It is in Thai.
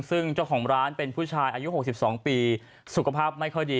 ซึ่งเจ้าของร้านเป็นผู้ชายอายุ๖๒ปีสุขภาพไม่ค่อยดี